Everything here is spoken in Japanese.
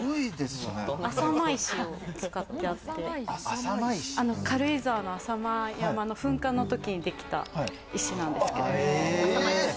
浅間石を使ってあって、軽井沢の浅間山の噴火の時にできた石なんですけれども。